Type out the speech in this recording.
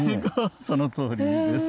そのとおりです。